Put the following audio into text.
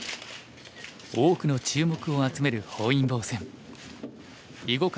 多くの注目を集める本因坊戦。